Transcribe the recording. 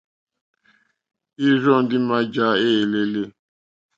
Ìrzɔ́ ndí mǎjǎ éělélé.